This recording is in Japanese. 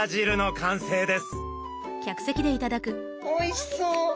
おいしそう！